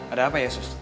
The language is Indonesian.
ada apa ya sus